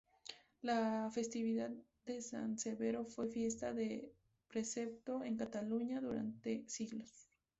La festividad de San Severo fue fiesta de precepto en Cataluña durante siglos.